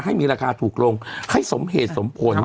ให้มีราคาถูกลงให้สมเหตุสมผล